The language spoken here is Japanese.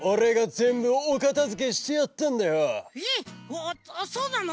ああそうなの？